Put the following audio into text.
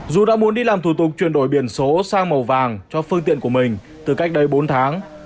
dù đã muốn đi làm thủ tục chuyển đổi biển số sang màu vàng cho phương tiện của mình từ cách đây bốn tháng